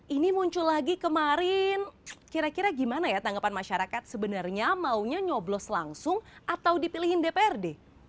ini muncul lagi kemarin kira kira gimana ya tanggapan masyarakat sebenarnya maunya nyoblos langsung atau dipilihin dprd